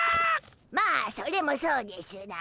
まあそれもそうでしゅな。